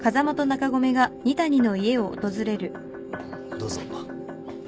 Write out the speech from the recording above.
どうぞ。